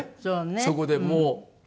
そこでもう。